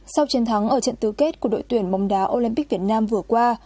sau chiến thắng ở trận tứ kết của đội tuyển bóng đá olympic việt nam vừa qua